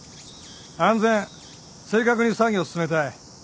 安全正確に作業進めたい。